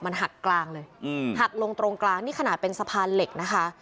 มันหักกลางเลยหักลงตรงกลางนี่ขนาดเป็นสะพานเหล็กนะคะ